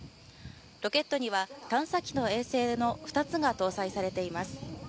ロケットには探査機と衛星の２つが搭載されています。